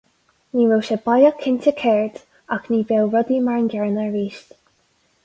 Ní raibh sé baileach cinnte céard, ach ní bheadh rudaí mar an gcéanna arís.